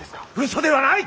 嘘ではない！